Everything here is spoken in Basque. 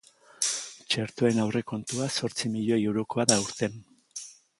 Txertoen aurrekontua zortzi milioi eurokoa da aurten.